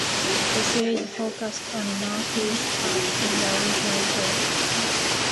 The series focused on Murphy's part in the original show.